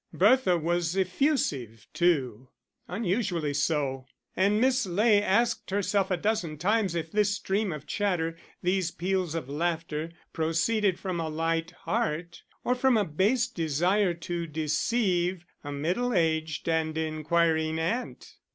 Bertha was effusive too, unusually so; and Miss Ley asked herself a dozen times if this stream of chatter, these peals of laughter, proceeded from a light heart or from a base desire to deceive a middle aged and inquiring aunt.